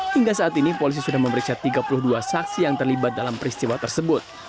hingga saat ini polisi sudah memeriksa tiga puluh dua saksi yang terlibat dalam peristiwa tersebut